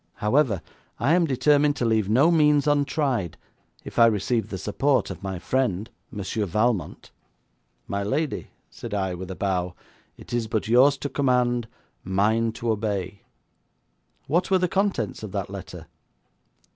However, I am determined to leave no means untried if I receive the support of my friend, Monsieur Valmont.' 'My lady,' said I, with a bow, 'it is but yours to command, mine to obey. What were the contents of that letter?'